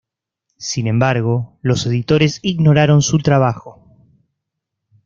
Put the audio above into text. Sin embargo, los editores ignoraron su trabajo.